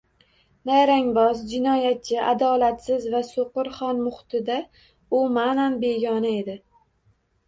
Nayrangboz, jinoyatchi, adolatsiz va so’qir xon muhitida u ma’nan begona edi.